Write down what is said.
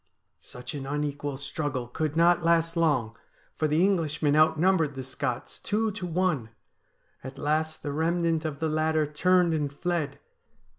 ' Such an unequal struggle could not last long, for the Englishmen outnumbered the Scots two to one. At last the remnant of the latter turned and fled.